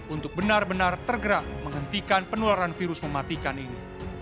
untuk benar benar tergerak menghentikan penularan virus mematikan ini